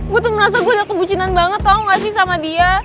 gue tuh merasa gue udah kebucinan banget tau gak sih sama dia